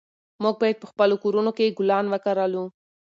موږ باید په خپلو کورونو کې ګلان وکرلو.